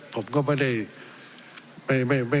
ผมก็ไม่ได้